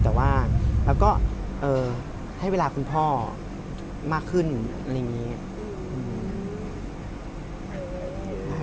แต่ว่าเราก็ให้เวลาคุณพ่อมากขึ้นอะไรอย่างนี้